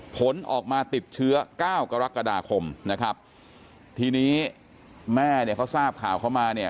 ผลออกมาติดเชื้อเก้ากรกฎาคมนะครับทีนี้แม่เนี่ยเขาทราบข่าวเข้ามาเนี่ย